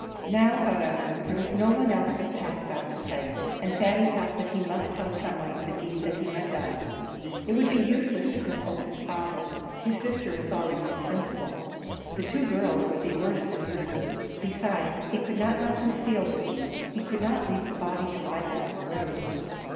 Now, however, there was no one else but Pat about the place, and Thady felt that he must tell some one of the deed that he had done. It would be useless to consult his father; his sister was already insensible; the two girls would be worse than useless; besides, he could not now conceal the deed; he could not leave the body to lie there on the road.